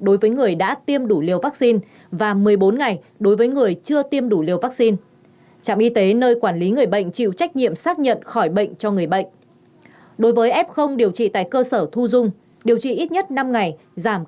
đối với ép không không triệu chứng hoặc triệu chứng nhẹ đủ điều kiện cách ly điều trị tại nhà